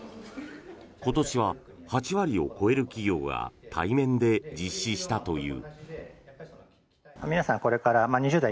今年は８割を超える企業が対面で実施したという。